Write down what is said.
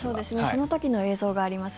その時の映像があります。